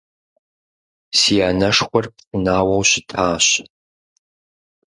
Си анэшхуэр пшынауэу щытащ.